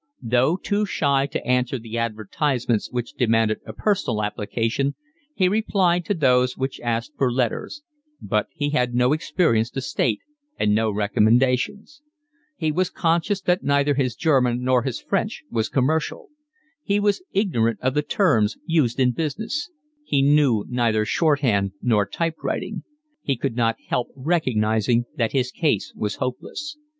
Though too shy to answer the advertisements which demanded a personal application, he replied to those which asked for letters; but he had no experience to state and no recommendations: he was conscious that neither his German nor his French was commercial; he was ignorant of the terms used in business; he knew neither shorthand nor typewriting. He could not help recognising that his case was hopeless.